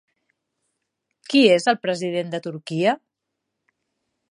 Qui és el president de Turquia?